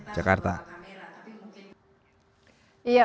perkara yang kita lihat di indonesia